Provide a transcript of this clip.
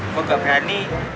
gue gak berani